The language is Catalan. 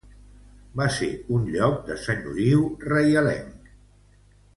Va ser un lloc de senyoriu reialenc.